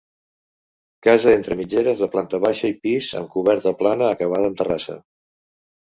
Casa entre mitgeres de planta baixa i pis, amb coberta plana acabada en terrassa.